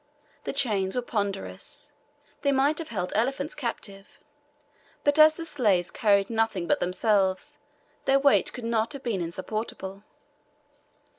The chains were ponderous they might have held elephants captive; but as the slaves carried nothing but themselves, their weight could not have been insupportable.